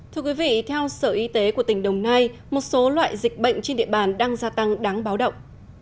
thưa quý vị theo sở y tế của tỉnh đồng nai một số loại dịch bệnh trên địa bàn đang gia tăng đáng báo động